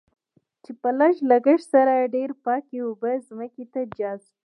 چې په لږ لګښت سره ډېرې پاکې اوبه ځمکې ته جذب.